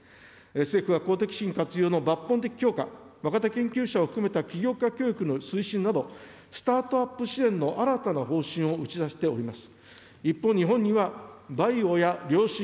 政府は公的資金活用の抜本的強化、若手研究者を含めた起業家教育の推進など、スタートアップ支援の新たな方針を打ち出しております。